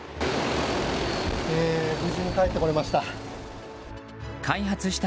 無事に帰ってこられました。